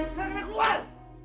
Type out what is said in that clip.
saya kena keluar